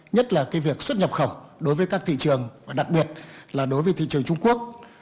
nhất là việc xuất nhập khẩu đối với các thị trường và đặc biệt là đối với thị trường trung quốc